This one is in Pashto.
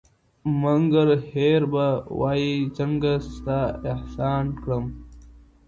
مگر هېر به وایه څنگه ستا احسان کړم